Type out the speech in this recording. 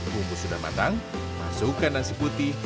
bumbu sudah matang masukkan nasi putih